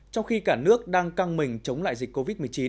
trong khi cả nước đang căng mình chống lại dịch covid một mươi chín